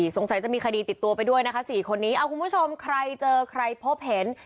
สงสัยจะมีคดีติดตัวไปด้วยนะคะ๔คนนี้คุณผู้ชมใครเจอใครพบเห็น